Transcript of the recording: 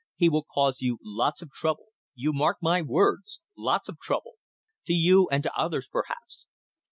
He will cause you lots of trouble. You mark my words. Lots of trouble. To you and to others perhaps.